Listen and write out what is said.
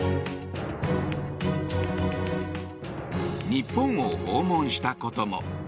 日本を訪問したことも。